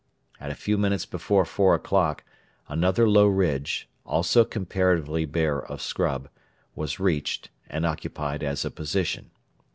At a few minutes before four o'clock another low ridge, also comparatively bare of scrub, was reached and occupied as a position.